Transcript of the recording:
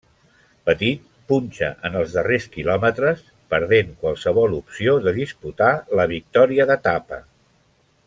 Petit punxa en els darrers kilòmetres perdent qualsevol opció de disputar la victòria d'etapa.